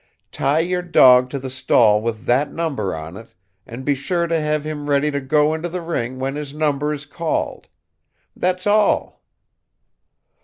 Tie your dog to the stall with that number on it, and be sure to have him ready to go into the ring when his number is called. That's all."